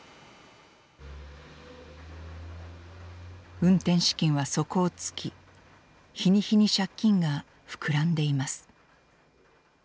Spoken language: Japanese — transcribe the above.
運転資金は底を尽き日に日に借金が膨らんでいます。